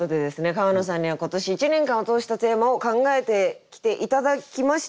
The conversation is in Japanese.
川野さんには今年１年間を通したテーマを考えてきて頂きました。